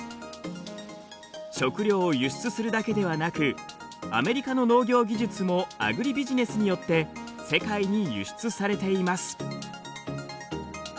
食料を輸出するだけではなくアメリカの農業技術もアグリビジネスによって世界に輸出されています。